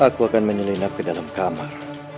aku akan menyelinap ke dalam kamar